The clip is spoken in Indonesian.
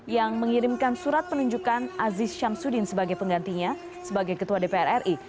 yang mengirimkan surat penunjukan aziz syamsuddin sebagai penggantinya sebagai ketua dpr ri